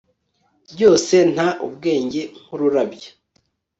Byose nta ubwenge nkururabyo